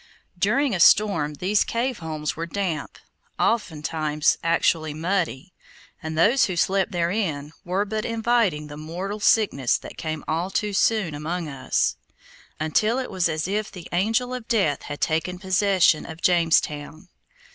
During a storm these cave homes were damp, often times actually muddy, and those who slept therein were but inviting the mortal sickness that came all too soon among us, until it was as if the Angel of Death had taken possession of Jamestown.